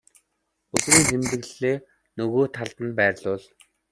өдрийн тэмдэглэлээ нөгөө талд нь байрлуул.